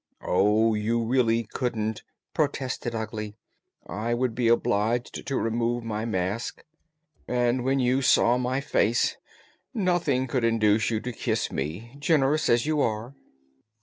"Oh, you really couldn't," protested Ugly. "I would be obliged to remove my mask, and when you saw my face, nothing could induce you to kiss me, generous as you are."